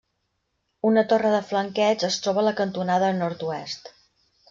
Una torre de flanqueig es troba a la cantonada nord-oest.